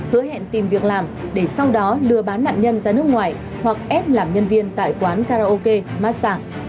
hứa hẹn tìm việc làm để sau đó lừa bán nạn nhân ra nước ngoài hoặc ép làm nhân viên tại quán karaoke massage